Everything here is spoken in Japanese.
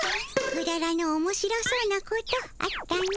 くだらぬおもしろそうなことあったの。